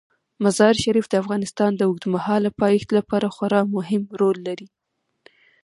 مزارشریف د افغانستان د اوږدمهاله پایښت لپاره خورا مهم رول لري.